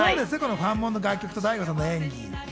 ファンモンの楽曲と大悟さんの演技。